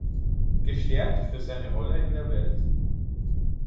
Gestärkt für seine Rolle in der Welt.